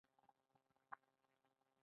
شيخ جميل الرحمن د کونړ يو نوموتی ديني عالم وو